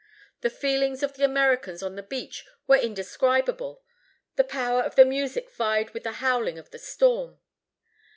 The feelings of the Americans on the beach were indescribable. The power of the music vied with the howling of the storm.